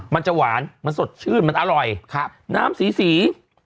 มันจะหวานสดชื่นอร่อยน้ำสี